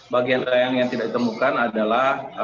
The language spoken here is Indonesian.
bagian layang yang tidak ditemukan adalah